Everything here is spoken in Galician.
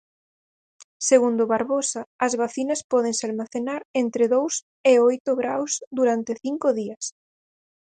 Segundo Barbosa, as vacinas pódense almacenar entre dous e oito graos durante cinco días.